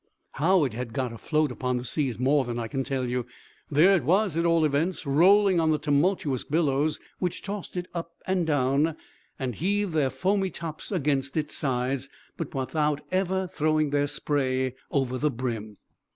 How it had got afloat upon the sea is more than I can tell you. There it was, at all events, rolling on the tumultuous billows, which tossed it up and down, and heaved their foamy tops against its sides, but without ever throwing their spray over the brim.